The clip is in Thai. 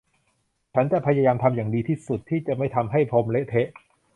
ฉันจะพยายามทำอย่างดีที่สุดที่จะไม่ทำให้พรมเละเทะ